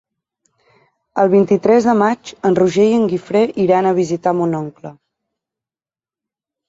El vint-i-tres de maig en Roger i en Guifré iran a visitar mon oncle.